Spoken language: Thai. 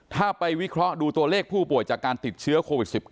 ถ้าไปวิเคราะห์ดูตัวเลขผู้ป่วยจากการติดเชื้อโควิด๑๙